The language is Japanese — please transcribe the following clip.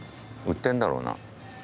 売ってんだろうな。